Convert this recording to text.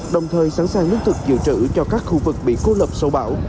đồng thời sẵn sàng lương thực dự trữ cho các khu vực bị cô lập sâu bão